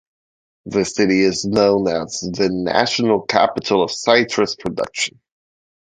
The city is known as the national capital of citrus production.